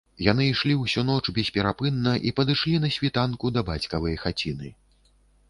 Яны ішлі ўсю ноч бесперапынна і падышлі на світанку да бацькавай хаціны